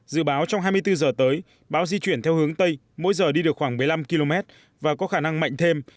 dự báo trong hai mươi bốn giờ tới bão di chuyển theo hướng tây mỗi giờ đi được khoảng một mươi năm km và có khả năng mạnh thêm